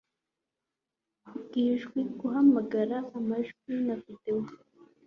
bwijwi guhamagara amajwi na videwo